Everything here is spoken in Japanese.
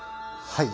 はい。